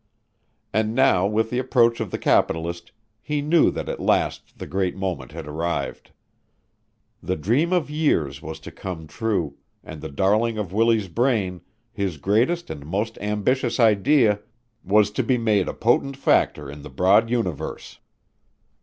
And now with the approach of the capitalist he knew that at last the great moment had arrived. The dream of years was to come true and the darling of Willie's brain, his greatest and most ambitious idea, was to be made a potent factor in the broad universe.